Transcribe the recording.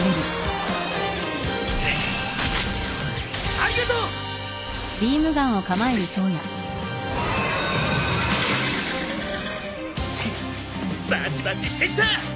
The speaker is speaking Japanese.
ありがとう！フッバチバチしてきた！